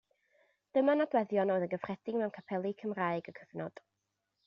Dyma nodweddion a oedd yn gyffredin mewn capeli Cymraeg y cyfnod.